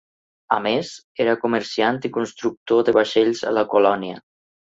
A més, era comerciant i constructor de vaixells a la colònia.